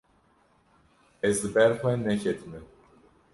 Ez li ber xwe neketime.